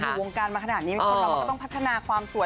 อยู่วงการมาขนาดนี้คนเรามันก็ต้องพัฒนาความสวย